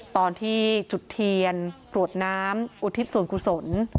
ตอนที่จุดเทียนกรวดน้ำอุทิศส่วนกุศล